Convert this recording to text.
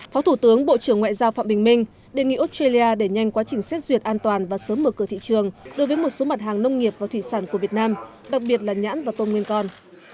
phó thủ tướng bộ trưởng ngoại giao phạm bình minh đề nghị australia đẩy nhanh quá trình xét duyệt an toàn và sớm mở cửa thị trường đối với một số mặt hàng nông nghiệp và thủy sản của việt nam đặc biệt là nhãn và tôm nguyên con